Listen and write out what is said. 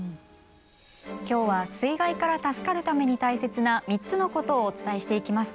今日は水害から助かるために大切な３つのことをお伝えしていきます。